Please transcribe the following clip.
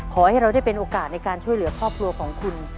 ขอให้เราได้เป็นโอกาสในการช่วยเหลือครอบครัวของคุณ